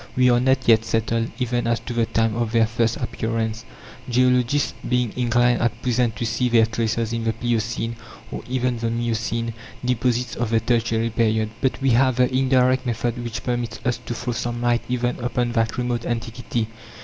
We are not yet settled even as to the time of their first appearance, geologists being inclined at present to see their traces in the pliocene, or even the miocene, deposits of the Tertiary period. But we have the indirect method which permits us to throw some light even upon that remote antiquity.